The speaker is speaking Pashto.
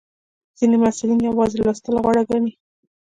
ځینې محصلین یوازې لوستل غوره ګڼي.